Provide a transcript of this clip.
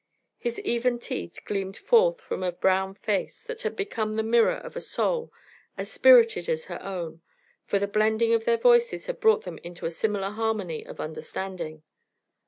His even teeth gleamed forth from a brown face that had become the mirror of a soul as spirited as her own, for the blending of their voices had brought them into a similar harmony of understanding.